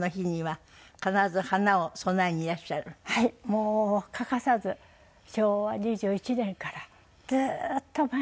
もう欠かさず昭和２１年からずっと。